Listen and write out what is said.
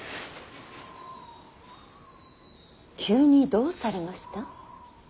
急にどうされました。